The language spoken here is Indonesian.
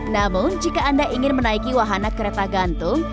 namun jika anda ingin menaiki wahana kereta gantung